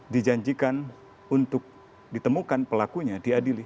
dijanjikan untuk ditemukan pelakunya diadili